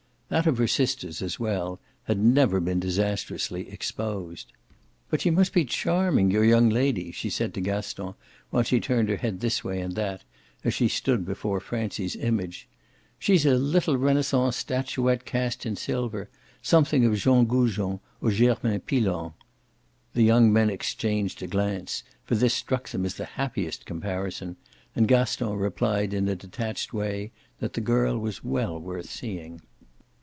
That of her sisters, as well, had never been disastrously exposed. "But she must be charming, your young lady," she said to Gaston while she turned her head this way and that as she stood before Francie's image. "She's a little Renaissance statuette cast in silver, something of Jean Goujon or Germain Pilon." The young men exchanged a glance, for this struck them as the happiest comparison, and Gaston replied in a detached way that the girl was well worth seeing.